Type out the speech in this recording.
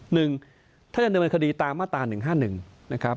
หนึ่งถ้าจะเนินดำเนินคดีตามมาตราหนึ่งห้าหนึ่งนะครับ